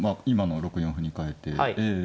今の６四歩にかえて。